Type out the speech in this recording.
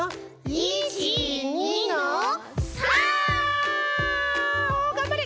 １２の３！おがんばれ。